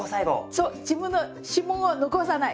そう自分の指紋は残さない。